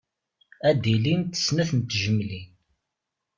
Ad d-ilint snat n tejmilin.